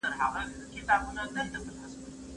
ډیک په هر ځنګله کي ښاخ پر ښاخ کړېږي